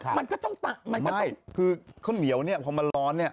ค่ะมันก็ต้องมันก็ต้องไม่คือข้าวเหนียวเนี่ยพอมันร้อนเนี่ย